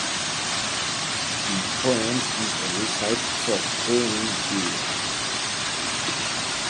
The poem is a recipe for brewing beer.